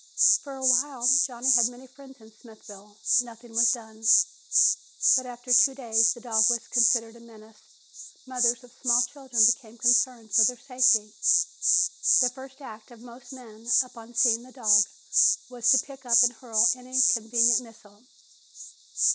For a while Johnny had many friends in Smithville nothing was done. But after two days, the dog was considered a menace. Mothers of small children became concerned for their safety. The first act of most men, upon seeing the dog, was to pick up and hurl any convenient missile.